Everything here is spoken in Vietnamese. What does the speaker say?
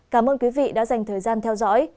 cảm ơn quý vị đã dành thời gian theo dõi